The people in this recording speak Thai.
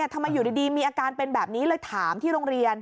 ทำไมอยู่ดีมีอาการเป็นแบบนี้เลยถามที่โรงเรียน